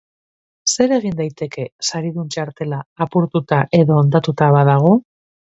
Zer egin daiteke saridun txartela apurtuta edo hondatuta badago?